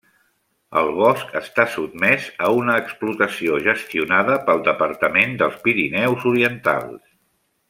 El bosc està sotmès a una explotació gestionada pel Departament dels Pirineus Orientals.